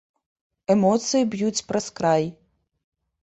Эмоцыі б'юць праз край.